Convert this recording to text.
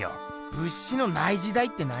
「物資のない時代」って何？